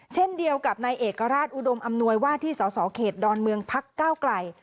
เช่นเดียวกับนายเอกราชอุดมอำนวยว่าที่สสเขตดอนเมืองพักเก้าไกล